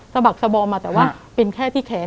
บักสบอมมาแต่ว่าเป็นแค่ที่แขน